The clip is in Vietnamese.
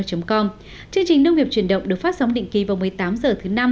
chương trình nông nghiệp truyền động được phát sóng định kỳ vào một mươi tám h thứ năm